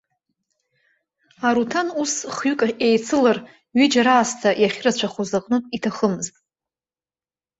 Аруҭан ус, хҩык еицылар, ҩыџьа раасҭа иахьырацәахоз аҟнытә иҭахымызт.